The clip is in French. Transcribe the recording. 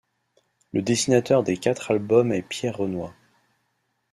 Le dessinateur des quatre albums est Pierre Renoy.